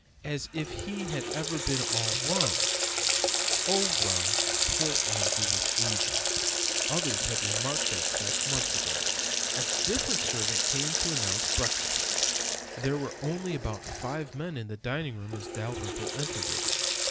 As if he had ever been all wrong! Oh, well, poor Andrew was ageing; others had remarked that fact months ago. A different servant came to announce breakfast. There were only about five men in the dining room as Dalrymple entered it.